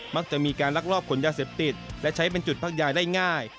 มักจะมีการลักลอบขนยาเสพติดและใช้เป็นจุดพักยาได้ง่าย